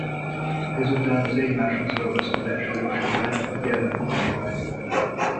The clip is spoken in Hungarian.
Ezután az egymáshoz ragaszkodás erősebb lett a gyermek utáni vágynál.